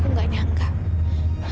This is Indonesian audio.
aku tidak menyangka